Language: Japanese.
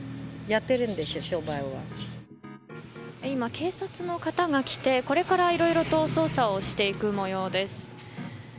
今、警察の方が来てこれからいろいろと捜査をしていく模様です。